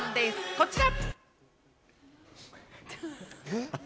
こちら！